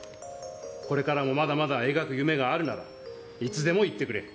これからもまだまだ描く夢があるなら、いつでも言ってくれ。